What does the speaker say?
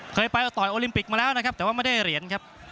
เคยไปต่อยโอลิมปิกมาแล้วนะครับแต่ว่าไม่ได้เหรียญครับ